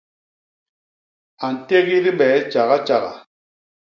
A ntégi dibee tjagatjaga.